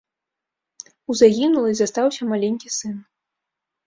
У загінулай застаўся маленькі сын.